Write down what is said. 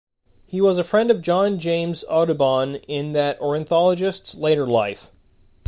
He was a friend of John James Audubon in that ornithologist's later life.